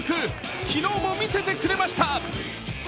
昨日も見せてくれました。